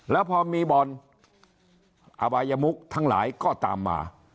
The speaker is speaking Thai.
แล้วพอมีบ่อนอบายมุกทั้งหลายก็ตามมา